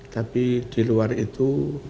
tapi di luar itu